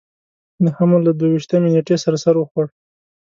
د حمل له دوه ویشتمې نېټې سره سر خوړ.